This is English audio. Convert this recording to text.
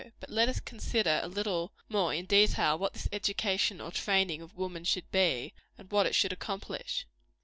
But let us consider a little more in detail what this education or training of woman should be, and what it should accomplish.